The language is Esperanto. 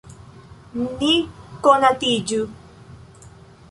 Ni konatiĝu.